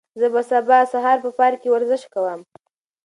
زه به سبا سهار په پارک کې ورزش کوم.